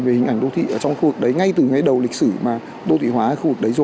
về hình ảnh đô thị ở trong khu vực đấy ngay từ ngay đầu lịch sử mà đô thị hóa cái khu vực đấy rồi